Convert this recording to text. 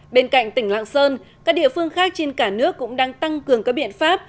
bên cạnh tỉnh lạng sơn các địa phương khác trên cả nước cũng đang tăng cường các biện pháp